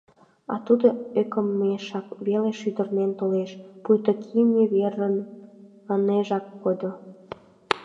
А Тудо ӧкымешак веле шӱдырнен толеш, пуйто кийыме верым ынежак кодо.